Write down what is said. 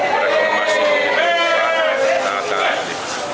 merekomendasi bagi mereka sangat sangat